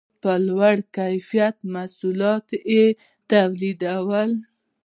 په لوړ کیفیت محصولات یې تولیدول.